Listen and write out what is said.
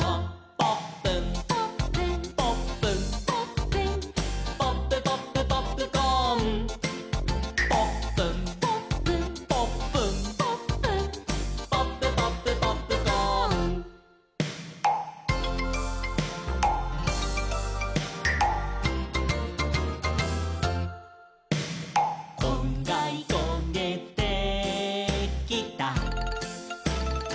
「ポップン」「ポップン」「ポップン」「ポップン」「ポップポップポップコーン」「ポップン」「ポップン」「ポップン」「ポップン」「ポップポップポップコーン」「こんがりこげてきた」